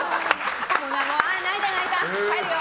ああ、泣いた泣いた帰るよ！